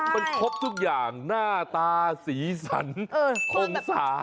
มันครบทุกอย่างหน้าตาสีสันองศา